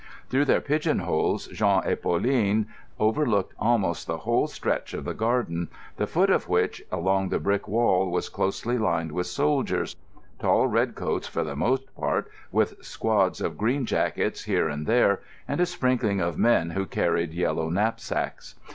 Through their pigeon holes Jean and Pauline overlooked almost the whole stretch of the garden, the foot of which along the brick wall was closely lined with soldiers—tall red coats for the most part, with squads of green jackets here and there and a sprinkling of men who carried yellow knapsacks.